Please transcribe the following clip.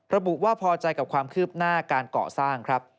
ระบุว่าพอใจกับความคืบหน้าการก่อสร้างครับ